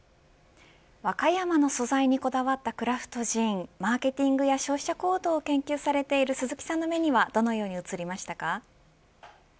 和歌山の素材にこだわったクラフトジンマーケティングや消費者行動を研究されている鈴木さんの目にはどう映りましたか。